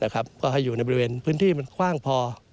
ก็ให้อยู่ในบริเวณพื้นที่มันกว้างพอ